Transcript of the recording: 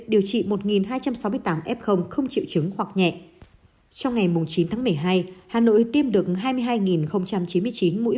điều trị một hai trăm sáu mươi tám f không triệu chứng hoặc nhẹ trong ngày chín tháng một mươi hai hà nội tiêm được hai mươi hai chín mươi chín mũi